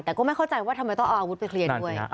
แต่ก็ไม่เข้าใจว่าทำไมต้องเอาอาวุธไปเคลียร์ด้วย